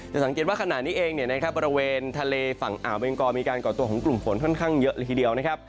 สังเกตว่าขณะนี้เองเนี่ยนะครับบริเวณทะเลฝั่งอ่าวเบงกอมีการก่อตัวของกลุ่มฝนค่อนข้างเยอะเลยทีเดียวนะครับ